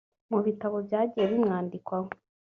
Mu bitabo byagiye bimwandikwaho